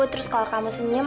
terus kalau kamu senyum